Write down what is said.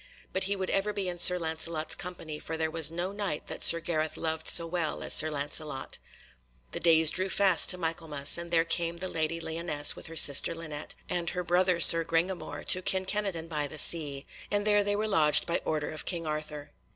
But he would ever be in Sir Lancelot's company, for there was no Knight that Sir Gareth loved so well as Sir Lancelot. The days drew fast to Michaelmas, and there came the Lady Lyonesse with her sister Linet and her brother Sir Gringamore to Kin Kenadon by the sea, and there were they lodged by order of King Arthur.